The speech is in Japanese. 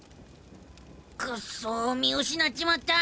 くっそ見失っちまった。